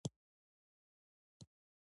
ژبه د نیکمرغۍ لاره ده